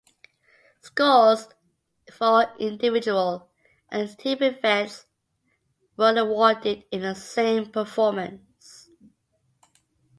Scores for individual and team events were awarded in the same performance.